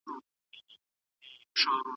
څه وخت ملي سوداګر پټرول تیل هیواد ته راوړي؟